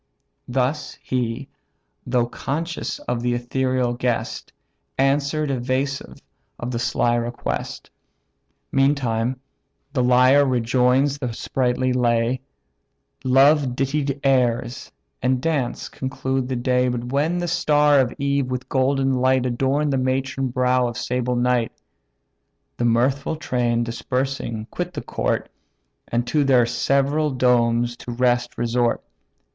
Thus he, though conscious of the ethereal guest, Answer'd evasive of the sly request. Meantime the lyre rejoins the sprightly lay; Love dittied airs, and dance, conclude the day But when the star of eve with golden light Adorn'd the matron brow of sable night, The mirthful train dispersing quit the court, And to their several domes to rest resort.